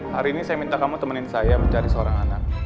hari ini saya minta kamu temenin saya mencari seorang anak